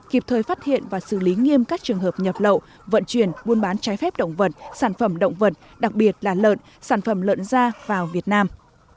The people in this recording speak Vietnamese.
kịp thời phát hiện và xử lý nghiêm các trường hợp nhập lậu vận chuyển buôn bán trái phép động vật sản phẩm động vật đặc biệt là lợn sản phẩm lợn ra vào việt nam